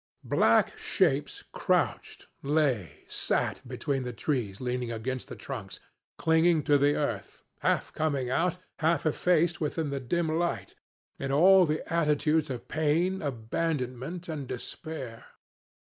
"Black shapes crouched, lay, sat between the trees, leaning against the trunks, clinging to the earth, half coming out, half effaced within the dim light, in all the attitudes of pain, abandonment, and despair.